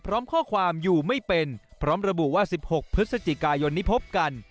พร้อมข้อความอยู่ไม่เป็นพร้อมระบุว่า๑๖พฤศจิกายนนี้พบกัน